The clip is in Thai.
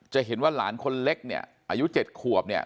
จะเห็นว่าหลานคนเล็กเนี่ยอายุ๗ขวบเนี่ย